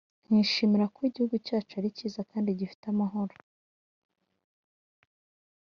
nkishimira ko igihugu cyacu ari kiza kandi gifite amahoro.